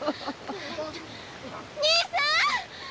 兄さん‼